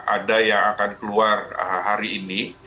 ada yang akan keluar hari ini